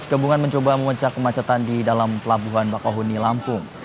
ketiga hubungan mencoba memecah kemacetan di dalam pelabuhan bakau uni lampung